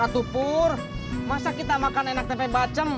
atuh pur masa kita makan enak tempe bacem